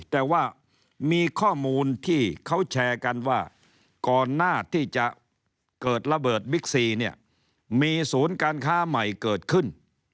แต่ว่ามีข้อมูลที่เขาแชร์กันว่าก่อนหน้าที่จะเกิดระเบิดบิ๊กซีเนี่ยมีศูนย์การค้าใหม่เกิดขึ้น